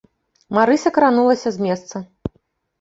Марыся кранулася з месца.